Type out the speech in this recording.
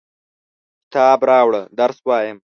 کتاب راوړه ، درس وایم!